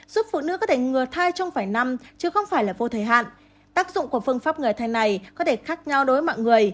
giúp phụ nữ có thể ngừa thai trong vài năm chứ không phải là vô thời hạn